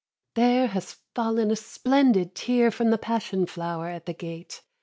10. There has fallen a splendid tear From the passion flower at the gate.